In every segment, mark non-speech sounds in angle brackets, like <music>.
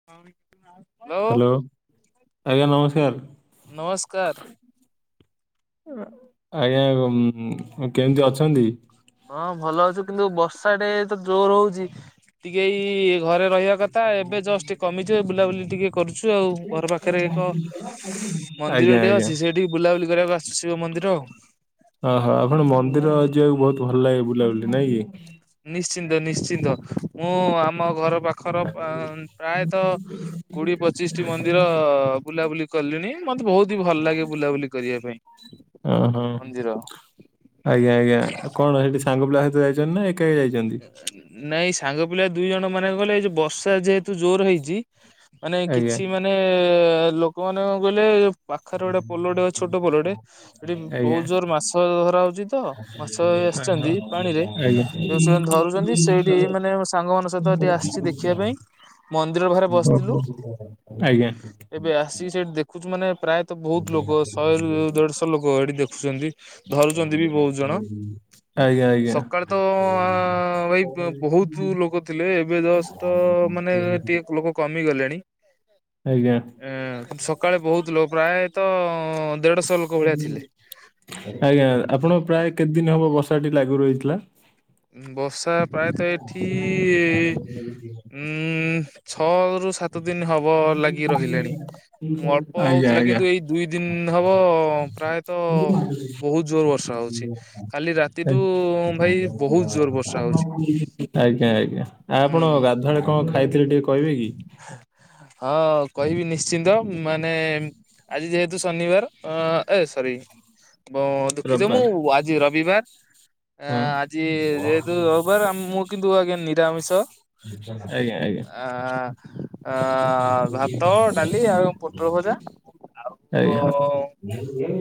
<unintelligible> Hello ଆଜ୍ଞା ନମସ୍କାର। ନମସ୍କାର ଆଜ୍ଞା କେମିତି ଅଛନ୍ତି? ହଁ ଭଲ ଅଛୁ କିନ୍ତୁ ବର୍ଷା ଟେ ତ ଜୋର ହଉଛି ଟିକେଏଇ ଘରେ ରହିବା କଥା ଏବେ ଜଷ୍ଟ କମିଛି ବୁଲାବୁଲି ଟିକେ କରୁଛୁ ଆଉ ଘର ପାଖରେ ଏକ ମନ୍ଦିର ଆଜ୍ଞା ଟିଏ ଆଜ୍ଞା ଅଛି ସେଇଠି ବୁଲାବୁଲି କରିବାକୁ ଆସିଚୁ ଶିବ ମନ୍ଦିର ଆଉ। ଓହୋ ଆପଣ ମନ୍ଦିର ଯିବାକୁ ବହୁତ ଭଲ ଲାଗେ ବୁଲାବୁଲି ନାଇଁ କି। ନିଶ୍ଚିନ୍ତ ନିଶ୍ଚିନ୍ତ ମୁଁ ଆମ ଘର ପାଖର ପ୍ରାୟତଃ କୋଡିଏ ପଚିଶଟି ମନ୍ଦିର ବୁଲାବୁଲି କଲିଣି ମତେ ବହୁତ ହି ଭଲ ଲାଗେ ବୁଲାବୁଲି କରିବା ପାଇଁ। ଓହୋ। ମନ୍ଦିର ଆଜ୍ଞା ଆଜ୍ଞା କଣ ସେଠି ସାଙ୍ଗ ପିଲା ସହିତ ଯାଇଛନ୍ତି ନା ଏକାକି ଯାଇଛନ୍ତି? ନାଇଁ ସାଙ୍ଗ ପିଲା ଦୁଇ ଜଣ ମାନେ କଣ କହିଲେ ଏଇ ଯଉ ବର୍ଷା ଯେହେତୁ ଜୋର ହେଇଛି ମାନେ ଆଜ୍ଞା କିଛି ମାନେ ଲୋକ ମାନେ କଣ କହିଲେ ପାଖରେ ଗୋଟେ ପୋଲଟେ ଛୋଟ ପୋଲଟେ ସେଠି ଆଜ୍ଞା ବହୁତ୍ ଜୋର ମାଛ ଧରା ହଉଛି ତ ମାଛ ଆସିଛନ୍ତି ପାଣିରେ ଆଜ୍ଞା ସେମାନେ ଧରୁଛନ୍ତି, ସେଇଠି ମାନେ ସାଙ୍ଗ ମାନଙ୍କ ସହିତ ଟିକେ ଆସିଛି ଦେଖିବା ପାଇଁ ମନ୍ଦିର ପାଖରେ ବସିଥିଲୁ, ଓହୋ ଆଜ୍ଞା ଏବେ ଆସିକି ସେଠି ଦେଖୁଛୁ ମାନେ ପ୍ରାୟ ତ ବହୁତ ଲୋକ ଶହେରୁ ଦେଢଶହ ଲୋକ ଏଠି ଦେଖୁଛନ୍ତି, ଧରୁଛନ୍ତି ବି ବହୁତ ଜଣ। ଆଜ୍ଞା ଆଜ୍ଞା। ସକାଳେ ତ ଭାଇ ବହୁତ ଲୋକ ଥିଲେ, ଏବେ ଜଷ୍ଟ ମାନେ ଟିକେ ଲୋକ କମିଗଲେଣି। ଆଜ୍ଞା। ଏ କିନ୍ତୁ ସକାଳେ ବହୁତ ଲୋକ ପ୍ରାୟତଃ ଦେଢଶହ ଲୋକ ଭଳିଆ ଥିଲେ। ଆଜ୍ଞା, ଆପଣ ପ୍ରାୟ କେତେ ଦିନ ହବ ବର୍ଷାଟି ଲାଗୁ ରହିଥିଲା? ବର୍ଷା ପ୍ରାୟତଃ ଏଠି ଉ ଉଁ ଛଅ ରୁ ସାତ ଦିନ ହବ ଲାଗି ରହିଲେଣି, ଅଳ୍ପ ଆଜ୍ଞା ହଉଥିଲା ଆଜ୍ଞା। କିନ୍ତୁ ଏଇ ଦୁଇ ଦିନ ହବ ପ୍ରାୟ ତ ବହୁତ ଜୋର ବର୍ଷା ହଉଛି, କାଲି ରାତିଠୁ ଭାଇ ବହୁତ ଜୋର ବର୍ଷା ହଉଛି। ଆଜ୍ଞା ଆଜ୍ଞା। ଆପଣ ହୁଁ ଗାଧୁଆ ବେଳେ କଣ ଖାଇଥିଲେ, ଟିକେ କହିବେ କି? ହଁ କହିବି ନିଶ୍ଚିନ୍ତ, ମାନେ ଆଜି ଯେହେତୁ ଶନିବାର, ଅ ଏ ସରି ବ ଦୁଃଖିତ, ରବିବାର ମୁଁ ଆଜି ରବିବାର। ଆ ହଁ ଆଜି ଯେହେତୁ ରବିବାର, ମୁଁ କିନ୍ତୁ ଆଜ୍ଞା ନିରାମିଷ। ଆଜ୍ଞା ଆଜ୍ଞା। ଆ ଆ ଭାତ ଡାଲି ଆଉ ପୋଟଳ ଭଜା ଓ, ଆଜ୍ଞା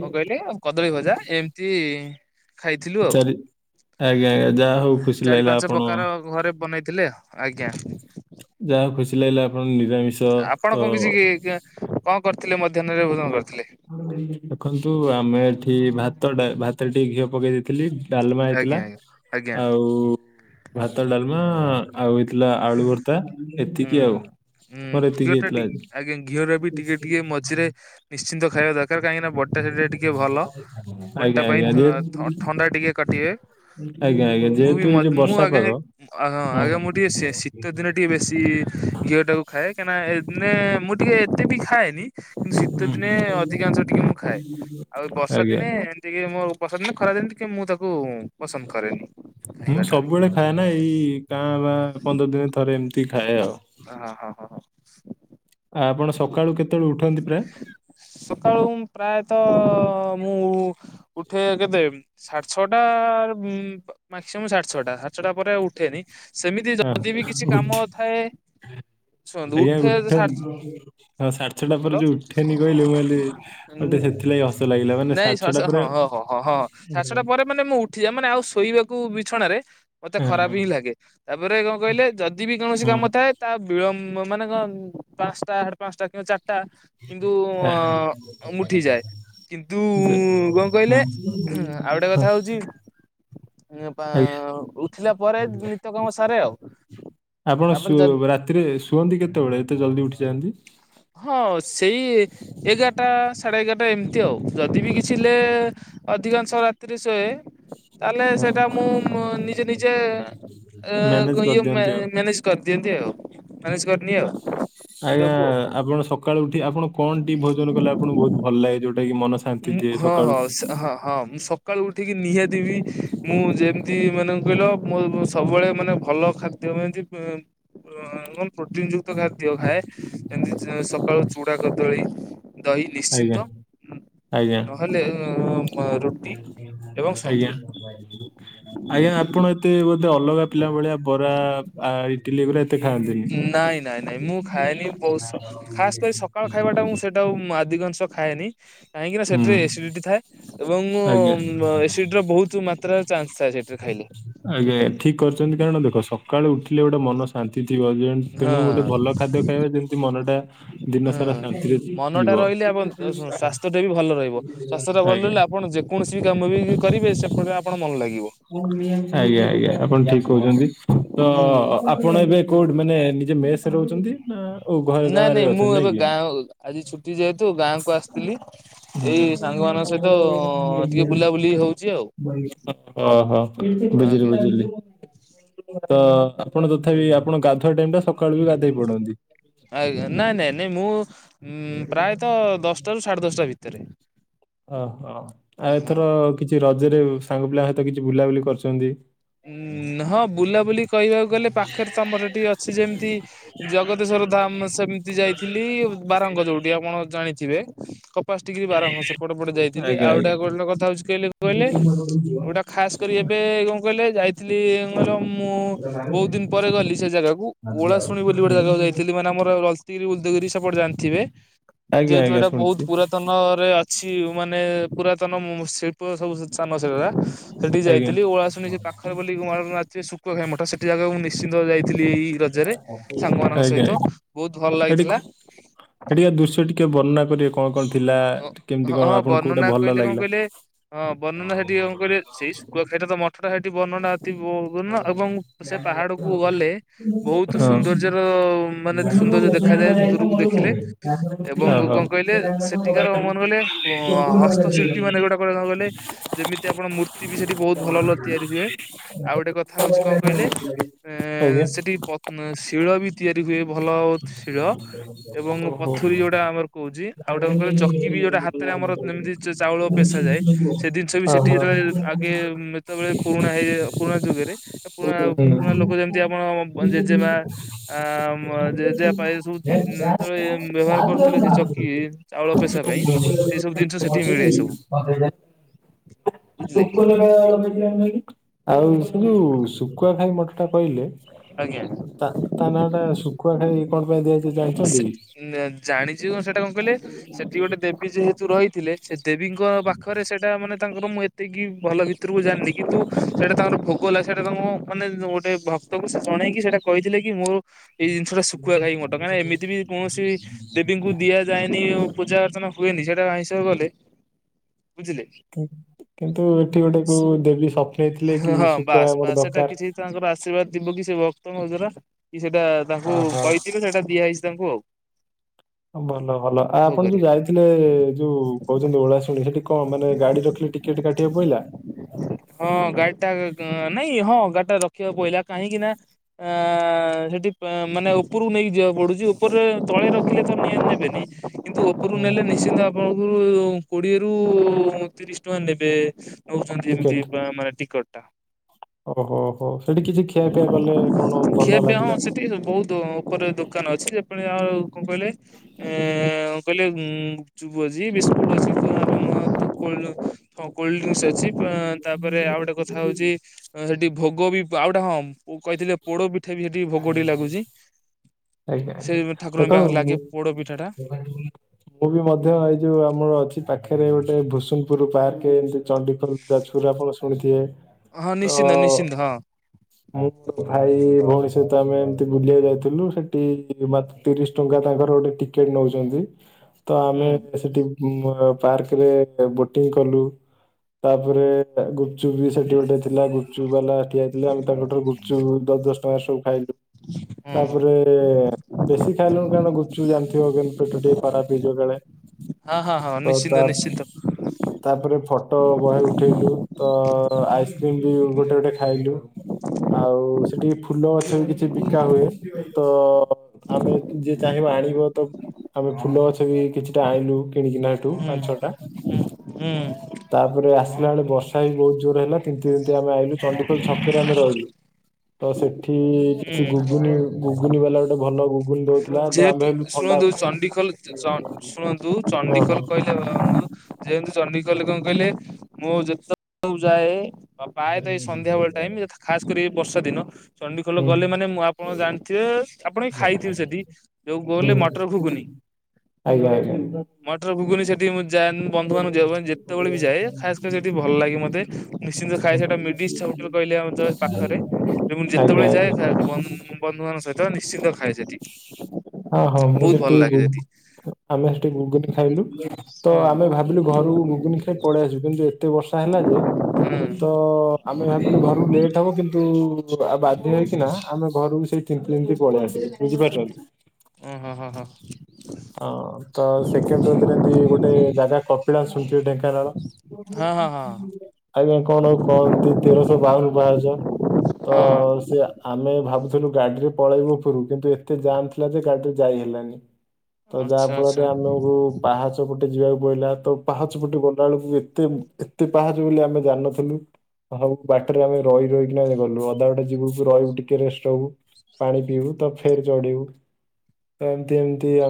କଣ କହିଲେ କଦଳୀ ଭଜା, ଏମିତି ଖାଇଥିଲୁ ଆଉ ଚାରି ଆଜ୍ଞା ଆଜ୍ଞା ଯାହା ହଉ ଖୁସି ଚାରି ଲାଗିଲା ପାଞ୍ଚ ଆପଣ ପ୍ରକାର ଘରେ ବନେଇଥିଲେ ଆଉ। ଆଜ୍ଞା। ଯାହାହଉ ଖୁସି ଲାଗିଲା, ଆପଣ ନିରାମିଷ ତ ଆପଣ କଣ କିଛି କଣ କରିଥିଲେ, ମଧ୍ୟାହ୍ନରେ ଭୋଜନ କରିଥିଲେ? ଦେଖନ୍ତୁ ଆମେ ଏଠି ଭାତ ଟା ଭାତରେ ଟିକେ ଘିଅ ପକେଇ ଦେଇଥିଲି। ଡାଲମା ହେଇଥିଲା ଆଜ୍ଞା ଆଜ୍ଞା ଆଜ୍ଞା ଆଉ ଭାତ ଡାଲମା ଆଉ ହେଇଥିଲା ଆଳୁ ଭର୍ ହୁଁ ହୁଁ ଏତିକି ଘିଅ ଟା ହେଇଥିଲା ଟି ଆଜି ଆଜ୍ଞା ଘିଅ ଟା ବି ଟିକେ ଟିକେ ମଝିରେ ନିଶ୍ଚିନ୍ତ ଖାଇବା କାହିଁକି ନା ବଡି ଟା ସେଟା ଟିକେ ଭଲ ବଡି ଆଜ୍ଞା ଟା ପାଇଁ ଆଜ୍ଞା ଯେ ଥଣ୍ଡା ଟିକେ କାଟିବେ। ଆଜ୍ଞା ଆଜ୍ଞା ମୁଁ ଯେହେତୁ ବି ଏଇ ମ ଯୋଉ ମୁଁ ବର୍ଷା ଆଜ୍ଞା ପାଗ ଆଜ୍ଞା ମୁଁ ଟିକେ ଶୀତ ଦିନ ଟିକେ ବେଶୀ ହ ସେଟାକୁ ଖାଏ କାହିଁକି ନା ଏନେ ମୁଁ ଟିକେ ଏତେ ବି ଖାଏନି। କିନ୍ତୁ ଶୀତ ହୁଁ ଦିନେ ଅଧିକାଂଶ ଟିକେ ମୁଁ ଖାଏ ଆଉ ବର୍ଷା ଆଜ୍ଞା ଦିନେ ଟିକେ ମୋ ପସନ୍ଦ ନାଁ, ଖରା ଦିନେ ଟିକେ ମୁଁ ତାକୁ ପସନ୍ଦ କରେନି। ମୁଁ ଖାଇବାଟା। ସବୁବେଳେ ଖାଏ ନା, ଏଇ କାଁ ଭାଁ ପନ୍ଦର ଦିନ ଥରେ ଏମତି ରୁଟି ଖାଏ ଆଉ। ଆଉ ହଁ ହଁ ହଁ ହଁ ଆପଣ ସକାଳୁ କେତେବେଳେ ଉଠନ୍ତି ପ୍ରାୟ? ସକାଳୁ ମୁଁ ପ୍ରାୟତଃ ମୁଁ ଉଠେ କେତେ ସାଢେ ଛଅଟା ଉଁ ମାକ୍ସିମମ୍ ସାଢେ ଛଅଟା ସାଢେ ଛଅ ଟା ପରେ ଆଉ ଉଠେନି। ସେମିତି ଯଦି ବି କିଛି ଉଠି କାମ ଥାଏ ଶୁଣନ୍ତୁ ଆଜ୍ଞା ଉଠେ ଉଠ ସାଢେ ଛ ହଁ ସାଢେ ଛଅଟା ପରେ ହାଲୋ ଯୋଉ ଉଠେନି କହିଲେ ମୁଁ କହିଲି ଗୋଟେ ଉଁ ସେଥିଲାଗି ହସ ଲାଗିଲା ମାନେ ନାଇଁ, ସାଢେ ଛଅଟା ସା-ସା ପରେ ହଁ ହଁ ହଁ ହଁ ସାଢେ ହଁ ଛଅଟା ପରେ ମାନେ ମୁଁ ଉ- ଉଠି ଯାଏ ମାନେ ଆଉ ଶୋଇବାକୁ ବିଛଣାରେ ମତେ ଖରାପ ହଁ ହିଁ ଲାଗେ। ତା ପରେ କଣ କହିଲେ ଯଦି ବି କୌଣସି ହଁ କାମ ଥାଏ ତା ବିଳମ୍ବ ମାନେ କଣ ପାଞ୍ଚଟା, ସାଢ଼େ ପାଞ୍ଚଟା କିମ୍ୱା ଚାରିଟା। କିନ୍ତୁ ଅ, ମୁଁ ଉଠିଯାଏ। ଏଁ। କିନ୍ତୁ କଣ କହିଲେ ଆଉ ଗୋଟେ କଥା ହଉଚି ଏ ବା ଆଜ୍ଞା ଉଠିଲା ପରେ ନିତ୍ୟ କାମ ସାରେ ଆଉ। ଆପଣ ତାପରେ ଶୁ ଯଦି ରାତିରେ ଶୁଅନ୍ତି କେତେବେଳେ ଏତେ ଜଲ୍ଦି ଉଠି ଯାଆନ୍ତି? ହଁ ସେଇ ଏଗାରଟା ସାଢେ ଏଗାରଟା ଏମିତି ଆଉ ଯଦି ବି କିଛି ଲେ ଅଧିକାଂଶ ରାତି ଶୋଏ ତାହେଲେ ସେଇଟା ମୁଁ ଉଁ ନିଜେ ନିଜେ ଏ ମ୍ୟାନେଜ ଇଏ ମେ କରିଦିଅନ୍ତି ଆଉ। ମାନେଜ କରିଦିଅନ୍ତି ଆଉ ମ୍ୟାନେଜ କ ଆଜ୍ଞା। ଆପଣ ସକାଳୁ ଉଠି ଆପଣ କଣ ଟିଏ ଭୋଜନ କଲେ ଆପଣଙ୍କୁ ବହୁତ ଭଲ ଲାଗେ। ଯୋଉଟା କିି ମନ- ଶାନ୍ତି ଉଁ ଦିଏ ହଁ ସକାଳୁ ହଁ ସ ହଁ ହଁ ସ ସକାଳୁ ଉଠିକି ନିହାତି ବିି ମୁଁ ଯେମିତି ମାନେ କହିଲ ମୋ ମୋ ସବୁବେଳେ ମାନେ ଭଲ ଖାଦ୍ୟ ଏମିତି ଏଁ ପ ଏବଂ ପ୍ରୋଟନ୍ ଯୁକ୍ତ ଖାଦ୍ୟ ଖାଏ। ଏମିତି ଚି ସକାଳୁ ଚୁଡା କଦଳୀ ଦହି ଆଜ୍ଞା ଆଜ୍ଞା। ହେଲେ ଅଁ ମ ଆଜ୍ଞା। ଆଜ୍ଞା ଆପଣ ଏତେ ବୋଧେ ଅଲଗା ପିଲା ଭଳିଆ ବରା ଆ ଇଟିଲି ଗୁରା ଏତେ ଖାଆନ୍ତିନି? ନାଇଁ ନାଇଁ ନାଇଁ ମୁଁ ଖାଏନି ବହୁତ ଖାସ୍ କରି ସକାଳ ଖାଇବାଟା ମୁଁ ସେଇଟାକୁ ଉଁ ଆଧିକଂଶ ଖାଏନି କାହିଁକିନା ହୁଁ ସେଥିରେ ଏସିଡିଟି ଥାଏ। ଏବଂ ମୁଁ ଆଜ୍ଞା ଉଁ ଏସିଡି ର ବହୁତ ମାତ୍ର ଚାନ୍ସ ଥାଏ ସେଟରେ ଖାଇଲେ। ଆଜ୍ଞା ଆଜ୍ଞା ଠିକ୍ କରିଚନ୍ତି କାରଣ ଦେଖ ସକାଳେ ଉଠିଲେ ଗୋଟେ ମନ ଶାନ୍ତି ଥିବ। ଏ ଣ ହଁ ତେଣୁ ଗୋଟେ ଭଲ ଖାଦ୍ୟ ଖାଇବା ଯେମିତି ମନଟା ଦିନ ସାରା ହୁଁ ଶାନ୍ତିରେ ଯିବ ମନଟା ରହିଲେ ଆପ ଶୁଣ ସ୍ୱାସ୍ଥ୍ୟ ଟା ବି ଭଲ ରହିବ ସ୍ୱାସ୍ଥ୍ୟ ଟା ଭଲ ଆଜ୍ଞା। ରହିଲେ ଆପଣ ଯେ କୌଣସି ବି କାମ ବି କରିବେ ସେପଟରେ ଆପଣ ମନ ଲାଗିବ। ଆଜ୍ଞା ଆଜ୍ଞା ଆପଣ ଠିକ କହୁଚନ୍ତି। ତ ହୁଁ। ଆପଣ ଏବେ କୋଉଠି ମାନେ ନିଜ ମେସ୍ ରହୁଚନ୍ତି ନା ଓ ଘରେ ନାଇଁ ଗାଁରେ ନାଇଁ ମୁଁ ଅଛନ୍ତି ଏବେ କି? ଗାଁ ଆଜି ଛୁଟି ଯେହେତୁ ଗାଁ କୁ ଆସିଥିଲି। ହୁଁ ଏଇ ସାଙ୍ଗମାନଙ୍କ ସହିତ ଓଃହ। ଟିକେ ବୁଲାବୁଲି ହଉଛି ଆଉ ଓଃହ ବୁଝିଲି ଆଜ୍ଞା। ବୁଝି ଲି ତ ଆପଣ ତଥାପି ଆପଣ ଗାଧୁଆ ଟାଇମ ଟା ସକାଳୁ ବି ଗାଧେଇ ପଡନ୍ତି? ଆଜ୍ଞା ନାଇଁ ନାଇଁ ନାଇଁ ମୁଁ ଉଁ ପ୍ରାୟତଃ ଦଶଟାରୁ ସାଢେ ଦଶଟା ଭିତରେ। ଓହୋ ଆଉ ଏଥର କିଛି ରଜରେ ସାଙ୍ଗ ପିଲା ସହିତ କିଛି ବୁଲାବୁଲି କରିଚନ୍ତି? ଉଁ ହଁ ବୁଲାବୁଲି କହିବାକୁ ଗଲେ ପାଖରେ ତମର ଏଠି ଅଛି ଯେମିତି ଜଗତେଶ୍ଵର ଧାମ ସେମିତି ଯାଇଥିଲି। ବାରଙ୍ଗ ଯୋଉଠି ଆପଣ ଜାଣିଥିବେ? କପିଳାସ ଠିକି ବାରଙ୍ଗ ସେ ପଟେ ପଟ ଯାଇଥିଲି। ଆଜ୍ଞା ଆଉ ଆଜ୍ଞା ଗୋଟା ଗୋଟ୍ କଥା ହଉଚି କହିଲେ କହିଲେ? ଗୋଟା ଖାସ କରି ଏବେ କଣ କହିଲେ ଯାଇଥିଲି କହିଲ ମୁଁ ବହୁତ ଦିନ ପରେ ଗଲି ସେ ଜାଗାକୁ। ଓଳାଶୁଣି ବୋଲି ଗୋଟେ ଜାଗାକୁ ଯାଇଥିଲି ମାନେ ଆମର ଲଳିତଗିରି ଉଦୟଗିରି ସେପଟେ ଯାନ୍ ଥିବେ ଆଜ୍ଞା ଯେହେତୁ ଆଜ୍ଞା ଏଇଟା ବହୁତ ଶୁଣିଛି ପୁରାତନ ନରେ ଅଛି ମାନେ ପୁରାତନ ଉଁ ଶିଳ୍ପ ସବୁ ସ୍ଥାନ ସେଗୁରା। ସେଠିକି ଆଜ୍ଞା। ଯାଇଥିଲି ଓଳାଶୁଣି ସେଇ ପାଖରେ ବୋଲି <unintelligible> ଶୁକୁଆଖାଇ ମଠ ସେଠି ଜାଗା ମୁଁ ନିଶ୍ଚିନ୍ତ ଯାଇଥିଲି। ଏଇ ରଜରେ ଆଜ୍ଞା ସାଙ୍ଗମାନଙ୍କ ଆଜ୍ଞା ସହିତ ବହୁତ ଭଲ ଲାଗିଥିଲା। ହେଠିକାର ଦୃଶ୍ୟ ଟିକେ ବର୍ଣ୍ଣନା କରିବେ କଣ କଣ ଥିଲା। କେମିତି ହଁ କଣ ଆପଣଙ୍କୁ ବର୍ଣ୍ଣନା କୋଉଟା ଭଲ କହିଲେ କଣ ଲାଗିଲା। କହିଲେ ହଁ ବର୍ଣ୍ଣନା ସେଠି କଣ କରିଲେ ସେଇ <unintelligible> ମଠଟା ସେଠି ବର୍ଣ୍ଣନା <unintelligible> ସେ ପାହାଡକୁ ଗଲେ ବହୁତ ସୌନ୍ଦର୍ଯ୍ୟର ମାନେ ଓହୋ। ସୌନ୍ଦର୍ଯ୍ୟ ଦେଖାଦିଏ ଦୂରକୁ ଦେଖିଲେ। ଏବଂ କଣ କହିଲେ ସେ କୃତିକାର ମନେ ଗଲେ ହସ୍ତଶିଳ୍ପୀ ମାନେ ଯୋଉଟା କଣ କହିଲେ ଯେମିତି ଆପଣ ମୂର୍ତ୍ତି ବି ସେଠି ବହୁତ ଭଲ ଭଲ ତିଆରି ହୁଏ। ଆଉ ଗୋଟେ କଥା ହଉଛି କଣ କହିଲେ, ଏ ଆଜ୍ଞା ସେଠି ପ ଶିଳ ବି ତିଆରି ହୁଏ ଭଲ ଶିଳ। ଏବଂ ଓହୋ। ପଥୁରୀ ଯୋଉଟା ଆମର କହୁଚି ଆଉ ଗୋଟା କୁ ଚକି ବି ଯୋଉଟା ହାତରେ ଆମର ଯେମିତି ଚାଉଳ ପେଶାଯାଏ। ସେ ଜିନିଷ ବି ସେଠି ଓହୋ। ଯେତେବେଳେ ଆଗେ ଯେତେବେଳେ ପୁରୁଣା ହେଇ ପୁରୁଣା ଯୁଗରେ ପୁରୁଣା ପୁରୁଣା ଲୋକ ଯେମିତି ହୁଁ। ଆପଣ ଜେଜେମା ଆ ଜେଜେବାପା ଏଇୟା ସବୁ ଯେତେବେଳେ ବ୍ୟବହାର କରୁଥିଲୁ ସେ ଚକି ଚାଉଳ ପେସା ପାଇଁ, ସେଇ ସବୁ ଜିନିଷ ସେଠି ମିଳେ ସବୁ। ବୁଝିଲେ <unintelligible> ଆଉ ଯୋଉ ଶୁଖୁଆ ଖାଇ ମଠଟା କହିଲେ ଆଜ୍ଞା। ତା ତା ନାଁ ଟା ଶୁଖୁଆ ଖାଇ କଣ ପାଇଁ ଦିଆଯାଇଛି ଜାଣିଛନ୍ତି? ଜାଣିଚି କ ସେଟା କଣ କହିଲେ ସେଠି ଗୋଟେ ଦେବୀ ଯେହେତୁ ରହିଥିଲେ ସେ ଦେବୀଙ୍କ ପାଖରେ ସେଇଟା ମାନେ ତାଙ୍କର ମୁଁ ଏତିକି ଭଲ ଭିତରକୁ ଜାଣିନି। କିନ୍ତୁ ସେଇଟା ତାଙ୍କର ଭୋଗ ଲାଗେ। ସେଇଟା ତାଙ୍କ ମାନେ ଗୋଟେ ଭ ଭକ୍ତାଟ ସେ ଜଣେଇକି ସେଇଟା କହିଥିଲେ କି ମୋର ଏଇ ଜିନିଷ ଟା ଶୁକୁଆ ଖାଇ ମଠ। କାହିଁକି ଏମିତି ବି କୌଣସି ଦେବୀଙ୍କୁ ଦିଆଯାଏନି ପୂଜା ଅର୍ଚ୍ଚନା ହୁଏନି ସେଟା ଆଇଁଷ ଗଲେ, ବୁଝିଲେ। କିନ୍ତୁ ଏଠି ଗୋଟେ କୋଉ ଦେବୀ ସ୍ୱପ୍ନେଇ ଥିଲେକି ହଁ ଶୁଖୁଆ ବାସ୍ ବାସ୍ ଆମର ସେଟା ଦରକାର। କିଛି ତାଙ୍କର ଆଶୀର୍ବାଦ ଯିବ କି ସେ ଭକ୍ତଙ୍କ ଦ୍ୱାରା କି ସେଇଟା ତାଙ୍କୁ ଓହୋ। କହିଥିବେ ଯେ ସେଇଟା ଦିଆହେଇଛି ତାଙ୍କୁ ଆଉ। ଭଲ ଭଲ। ଆ ଆପଣ ଭୋଗରେ। ଯୋଉ ଯାଇଥିଲେ ଯୋଉ କହୁଛନ୍ତି ଓଳାଶୁଣି ସେଠି କଣ ମାନେ ଗାଡି ରଖିଲେ ଟି ଟିକେଟ କାଟିବାକୁ ପଇଲା? ହଁ ଗାଡିଟା ନାଇଁ ହଁ ଗାଡି ଟା ରଖିବାକୁ ପଇଲା। କାହିଁକି ନା ଆଁ ସେଠି ମାନେ ଉପରକୁ ନେଇକି ଯିବାକୁ ପଡୁଚି। ଉପରରେ ତଳେ ରଖିଲେ ତ ନିଆ ନେବେନି। କିନ୍ତୁ ଉପରକୁ ହୁଁ ନେଲେ ନିଶ୍ଚିନ୍ତ ଆପଣଙ୍କୁ କୋଡିଏରୁ ତିରିଶ ଟଙ୍କା ନେବେ। ନଉଛନ୍ତି ଏମତି ଟିକେଟ ମାନେ ଟିକଟ ଟା। ଓହୋ ହୋ ସେଠି କିଛି ଖିଆପିଆ କଲେ କଣ ଖିଆ ଭଲ ପିଆ ହଁ ଲାଗିଲା? ସେଠି ବହୁତ ଉପରେ ଦୋକାନ ଅଛି। ଯେପରି ଆଉ କଣ କହିଲେ ଏ କହିଲେ ଗୁପଚୁପ ଅଛି, ବିସ୍କୁଟ ଅଛି। <unintelligible> ହଁ କୋଲଡ୍ରିଙ୍କସ୍ ଅଛି। ତାପରେ ଆଉ ଗୋଟେ କଥା ହଉଛି ସେଠି ଭୋଗ ବି ଆଉ ଗଟେ ହଁ ଓ କହିଥିଲେ ପୋଡ ପିଠା ବି ସେଠି ଭୋଗ ଟିକେ ଲାଗୁଚି। ଆଜ୍ଞା ସେ ଆଜ୍ଞା ଠାକୁରଙ୍କ ପାଖରେ ଦେଖନ୍ତୁ ଲାଗେ ପୋଡ ପିଠା ଟା। ମୁଁ ବି ମଧ୍ୟ ଏଇ ଯୋଉ ଆମର ଅଛି ପାଖରେ ଗୋଟେ ଭୁସୁନପୁର ପାର୍କ ଏମିତି ଚଣ୍ଡିଖୋଲ ଯାଜପୁର ଆପଣ ଶୁଣିଥିବେ। ହଁ ତ ନିଶ୍ଚିନ୍ତ ନିଶ୍ଚିନ୍ତ ହଁ। ଭାଇ ଭଉଣୀ ସହିତ ଆମେ ଏମତି ବୁଲିବାକୁ ଯାଇଥିଲୁ ସେଠି ମ ତିରିଶ ଟଙ୍କା ତାଙ୍କର ଗୋଟେ ଟିକେଟ ନେଉଛନ୍ତି, ତ ହୁଁ ଆମେ ସେଠି ପାର୍କରେ ବୋଟିଂ କଲୁ। ତାପରେ ଗୁପଚୁପ ବି ସେଠି ଗୋଟେ ଥିଲା। ଗୁପଚୁପ ବାଲା ଠିଆ ହେଇଥିଲା। ତାର ଗୋଟେ ଗୁପଚୁପ ଦଶ ଦ ଟଙ୍କା ରେ ସବୁ ଖାଇଲୁ। <inaudible> ତାପରେ ବେଶୀ ଖାଇଲୁନି। କାରଣ ଗୁପଚୁପ୍ ଜାଣିଥିବ ପେଟ ଟିକେ ଖରାପ ହେଇଯିବ କାଳେ। ହଁ ହଁ ହଁ ତ ତା ନିଶ୍ଚିନ୍ତ ନିଶ୍ଚିନ୍ତ। ତାପରେ ଫଟୋ ବହେ ଉଠେଇଲୁ। ତ ଆଇସ୍କ୍ରିମ୍ ବି ଗୋଟେ ଗୋଟେ ଖାଇଲୁ। ଆଉ ସେଠିକି ଫୁଲ ଗଛ ବି କିଛି ବିକା ହୁଏ। ତ ଆମେ ଯିଏ ଚାହିଁବା ଆଣିବ। ତ ଆମେ ଫୁଲ ଗଛ ବି କିଛିଟା ଆଣିଲୁ କିଣିକିନା। ସେଠୁ ପାଞ୍ଚ ଛଅଟା। ଉମ୍ ତାପରେ ଆସିଲା ବେଳେ ବର୍ଷା ବି ବହୁତ ଜୋର ହେଲା। <inaudible> ଆମେ ଆଇଲୁ ଚଣ୍ଡିଖୋଲ ଛକରେ ଆମେ ରହିଲୁ। ତ ସେଠି ହୁଁ କିଛି ଘୁଗୁନି ଗୁଗୁନି ବାଲା ଗୋଟେ ଭଲ ଗୁଗୁନ ଦଉ ଯେହେତୁ ଶୁଣନ୍ତୁ ଚଣ୍ଡିଖୋଲ ସ ସ୍ ଶୁଣନ୍ତୁ ହଁ ହଁ ଚଣ୍ଡିଖୋଲ କହିଲେ ଯେ ମୁ ଯେହେତୁ ଚଣ୍ଡିଖୋଲ ରେ କଣ କହିଲେ? ମୁଁ ଯେତେ ସବୁ ଯାଏ ଆଉ ହୁଁ ପ୍ରାୟତଃ ଏଇ ସନ୍ଧ୍ୟାବେଳେ ଟାଇମ। ଯେହେତୁ ଖାସ୍ କରି ଏଇ ବର୍ଷା ଦିନ। ଚଣ୍ଡିଖୋଲ ଗଲେ ମାନେ ମୁଁ ଆପଣ ଜାଣିଥିବେ! ଆପଣ ବି ଖାଇଥିବେ ସେଠି? ଯୋଉ କହିଲେ ହୁଁ, ମଟର ଘୁଗୁନି ଆଜ୍ଞା ଆଜ୍ଞା। ମଟର ଭୁଗୁନି ସେଠି ମୁଁ ଯାଏ, ବନ୍ଧୁ ମାନଙ୍କୁ <inaudible> ଯେତେବେଳେ ବି ଯାଏ। ଖାସ୍ କରି ସେଠି ଭଲ ଲାଗେ ମୋତେ? ନିଶ୍ଚିନ୍ତ ହୁଁ ଖାଇଏ ହୁଁ ସେଇଟା <inaudible> କହିଲେ ଆମ ପାଖରେ <unintelligible> ଆଜ୍ଞା ଯାଏ ଆଜ୍ଞା ଖାଏ ବଂ ବନ୍ଧୁ ମାନଙ୍କ ସହିତ ନିଶ୍ଚିନ୍ତ ଖାଏ ସେଠି। ହଁ ହଁ। ମୁଁ ବହୁତ ଭଲ ସେଠି ଲାଗେ ଆମେ ସେଠି ଘୁଗୁନୀ ଖାଇଲୁ। ତ ହଁ। ଆମେ ଭା ମୁଁ କହିଲି ଘରୁକୁ ଗୁଗୁନି ଖାଇ ପଳେଇ ଆସିବୁ କିନ୍ତୁ ଏ ଏତେ ବର୍ଷା ହେଲା ଯେ? ହୁଁ ତ ଆମେ ଭାବିଲୁ ଘରୁ ଲେଟି ହବ କିନ୍ତୁ ଆଉ ବାଧ୍ୟ ହେଇକିନା, ଆମେ ଘରକୁ ସେଇ ତିନ୍ତି ତିନ୍ତି ପଳେଇ ଆସିଲୁ ବୁଝିପାରୁଛନ୍ତି! ଓଃହ ହଁ ହଁ ହଁ। ହଁ, ତ ସେକେଣ୍ଡ ରେ ଯେମତି ଗୋଟେ <inaudible> ଜାଗା କପିଳାସ ଶୁଣିୁିଥିବେ ହଁ ହଁ ହଁ ହଁ ଢେଙ୍କାନାଳ? ଆଜ୍ଞା କଣ ଆଉ କହନ୍ତି ତେରଶ ବାଉନ ପାହାଚ? ତ ହଁ ସେ ଆମେ ଭାବୁଥିଲୁ ଗାଡିରେ ପଳେଇବୁ ଉପରକୁ କିନ୍ତୁ ଏତେ ଯାମ୍ ଥିଲା <inaudible> ଗାଡିରେ ଯାଇ ହେଲାନି। ତ ଆଚ୍ଛା ଯାହା ଆଚ୍ଛା ଫଳରେ ଆମକୁ ପାହାଚ ପଟେ ଯିବାକୁ ପଇଲା। ତ ପାହାଚ ପଟେ ଗଲାବେଳକୁ ଏତେ ଏତେ ପାହାଚ ବୋଲି ଆମେ ଜାଣିନଥିଲୁ। ହଉ ବାଟରେ ଆମେ ରହି ରହିକିନା ଆମେ ଗଲୁ। ଅଧା ବାଟ ଯିବୁ ରହିବୁ ଟିକେ ରେଷ୍ଟ୍ ନବୁ। ପାଣି ପିଇବୁ ତ ଫେର ଚଢିବୁ। ତ ଏମତି ଏମିତି ଆ ଆ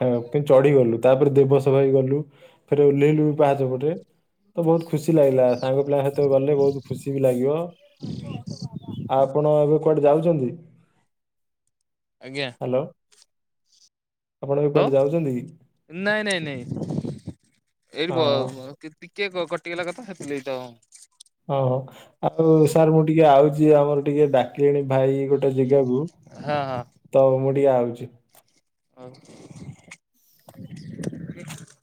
ଟିକେ ଚଢିଗଲୁ। ତାପରେ ଦେବସ ରହିଗଲୁ। ଫେରେ ଓହ୍ଲେଇଲୁ ବି ପାହାଚ ପଟେ। ତ ବହୁତ ଖୁସି ଲାଗିଲା। ସାଙ୍ଗ ପିଲାଙ୍କ ସହିତ ବି ଗଲେ ବହୁତ ଖୁସି ବି ଲାଗିବ। ଆଉ ଆପଣ ଏବେ କୁଆଡେ ଯାଉଛନ୍ତି? ଆଜ୍ଞା। ହାଲୋ। ଯାଉଛନ୍ତି କି? ହାଲୋ। ନାଇଁ ନାଇଁ ନାଇଁ ଏଠି ବ ଅ ଟିକେ କଟିଗଲା କଥା ସେଥି ଲାଗି ତ ଓଃହୋ! ଆଉ ସାର୍ ମୁଁ ଟିକେ ଆଉଛି ଆମର ଟିକେ ଡାକିଲେଣି ଭାଇ। ଗୋଟେ ଜେଗାକୁ, ହଁ ତ ମୁଁ ଟିକେ ଆଉଛି। ହଉ।